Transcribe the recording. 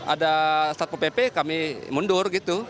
ada satpo pp kami mundur gitu